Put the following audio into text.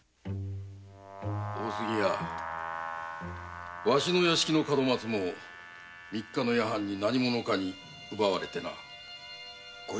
大杉屋わしの屋敷の門松も三日の晩なに者かに奪われてな。